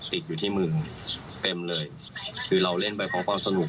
ติดอยู่ที่มือเต็มเลยคือเราเล่นไปพร้อมความสนุก